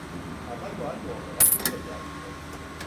اول باید موافقت او را جلب کنیم.